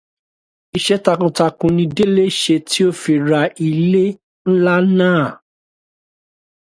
Iṣẹ́ takuntakun ni Délé ṣe tí ó fi ra ilé ńlá náà.